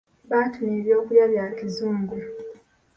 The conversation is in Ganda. Baatumya eby'okulya bya kizungu.